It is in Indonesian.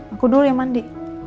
aku dulu yang mandi